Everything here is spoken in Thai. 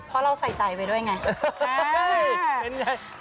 เพราะเราใส่ใจไปด้วยไง